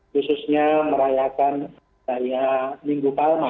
khususnya merayakan raya minggu palma